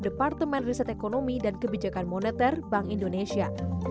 departemen riset ekonomi dan kebijakan moneter bank indonesia